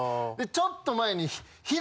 ちょっと前に。